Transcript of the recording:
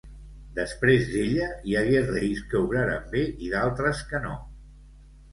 Després d'ella, hi hagué reis que obraren bé i d'altres que no.